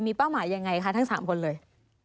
มีเป้าหมายยังไงคะทั้ง๓คนเลย